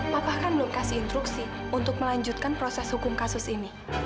bapak kan belum kasih instruksi untuk melanjutkan proses hukum kasus ini